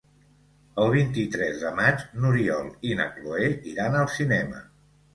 El vint-i-tres de maig n'Oriol i na Cloè iran al cinema.